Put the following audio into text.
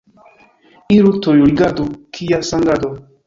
Iru tuj, rigardu, kia sangado!